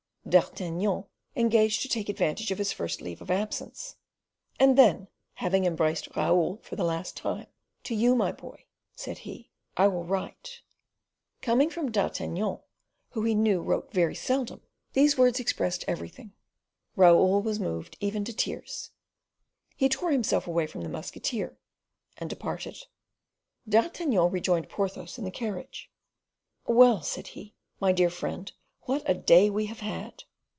D'Artagnan engaged to take advantage of his first leave of absence; and then, having embraced Raoul for the last time: "To you, my boy," said he, "I will write." Coming from D'Artagnan, who he knew wrote very seldom, these words expressed everything. Raoul was moved even to tears. He tore himself away from the musketeer and departed. D'Artagnan rejoined Porthos in the carriage: "Well," said he, "my dear friend, what a day we have had!"